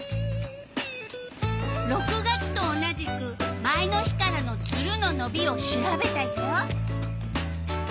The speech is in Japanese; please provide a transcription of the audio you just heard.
６月と同じく前の日からのツルののびを調べたよ。